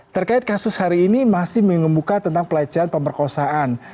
terkait kasus hari ini masih mengemuka tentang pelecehan pemerkosaan